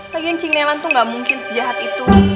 lagian si nelang tuh nggak mungkin sejahat itu